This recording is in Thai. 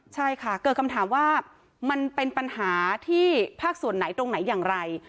ใช่ค่ะเกิดคำถามว่ามันเป็นปัญหาที่ภาคส่วนไหนตรงไหนอย่างไร